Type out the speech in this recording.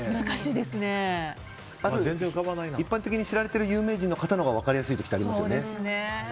一般的に知られている有名人の方が分かりやすい時ってありますよね。